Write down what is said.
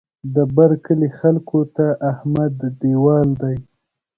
د بر کلي خلکو ته احمد دېوال دی.